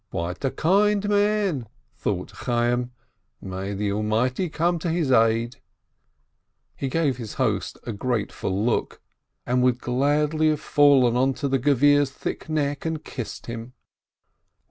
"Quite a kind man!" thought Chayyim. "May the Almighty come to his aid !" He gave his host a grateful look, and would gladly have fallen onto the Gevir's thick neck, and kissed him.